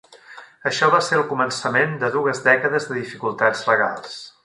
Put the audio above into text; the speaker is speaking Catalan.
Això va ser el començament de dues dècades de dificultats legals.